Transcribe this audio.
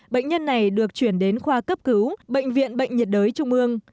bệnh nhân này được chuyển đến khoa cấp cứu bệnh viện bệnh nhiệt đới trung ương